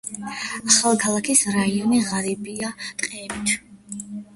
ახალქალაქის რაიონი ღარიბია ტყეებით.